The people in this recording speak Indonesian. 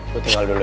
gue tinggal dulu ya